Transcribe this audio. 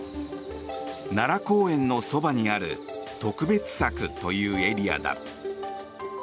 奈良公園のそばにある特別柵というエリアだ。